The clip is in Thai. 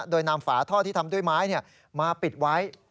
โดยนำฝาท่อที่ทำด้วยไม้มาปิดไว้